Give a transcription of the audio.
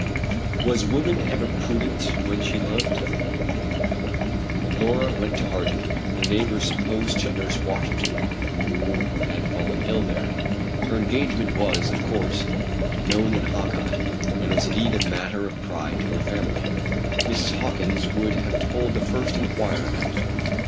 Was woman ever prudent when she loved? Laura went to Harding, the neighbors supposed to nurse Washington who had fallen ill there. Her engagement was, of course, known in Hawkeye, and was indeed a matter of pride to her family. Mrs. Hawkins would have told the first inquirer that.